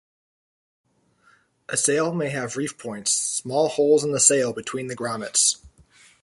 A sail may have "reef points," small holes in the sail between the grommets.